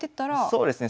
そうですね